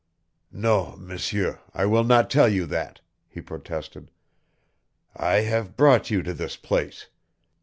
"Non, M'seur, I will not tell you that," he protested. "I have brought you to this place.